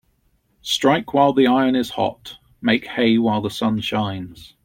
Strike while the iron is hot Make hay while the sun shines.